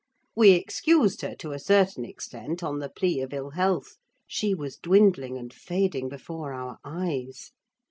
We excused her, to a certain extent, on the plea of ill health: she was dwindling and fading before our eyes.